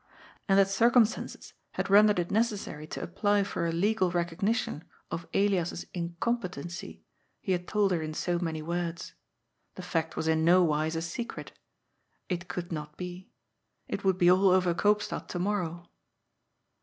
And that circumstances had rendered it necessary to apply for a legal recognition of Elias's incompetency he had told her in so many words. The fact was in no wise a se cret. It could not be. It would be all over Koopstad to morrow.